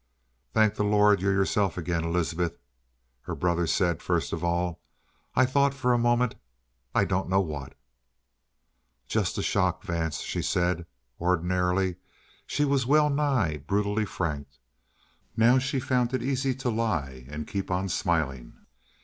"Thank the Lord you're yourself again, Elizabeth," her brother said first of all. "I thought for a moment I don't know what!" "Just the shock, Vance," she said. Ordinarily she was well nigh brutally frank. Now she found it easy to lie and keep on smiling.